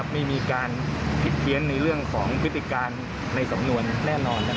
ไม่มีการผิดเพี้ยนในเรื่องของพฤติการในสำนวนแน่นอน